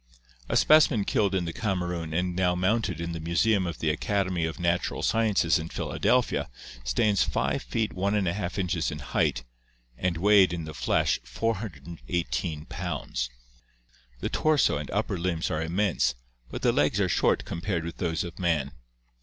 A specimen killed in the Kamerun and now mounted in the museum of the Academy of Natural Sciences in Philadelphia (see PI. XXIX) stands 5 feet \yi inches in height, and weighed in the flesh 418 pounds. The torso and upper limbs are immense, but the legs are short com pared with those of man.